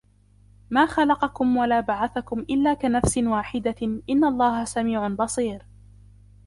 ما خلقكم ولا بعثكم إلا كنفس واحدة إن الله سميع بصير